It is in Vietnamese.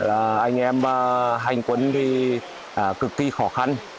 anh em hành quân thì cực kỳ khó khăn